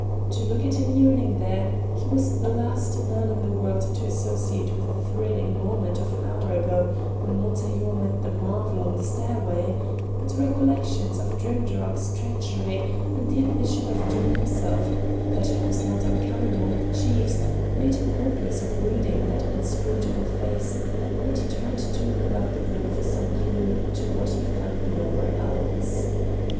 To look at him yearning there, he was the last man in the world to associate with the thrilling moment of an hour ago when Montaiglon met the marvel on the stairway; but recollections of Drimdarroch's treachery, and the admission of Doom himself that it was not uncommon among the chiefs, made him hopeless of reading that inscrutable face, and he turned to look about the room for some clue to what he found nowhere else.